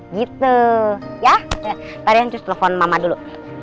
gitu ya tarian cus telepon mama dulu